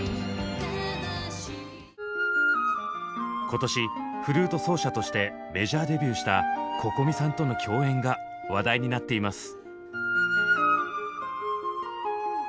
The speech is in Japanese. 今年フルート奏者としてメジャーデビューしたＣｏｃｏｍｉさんとの共演が話題になっています。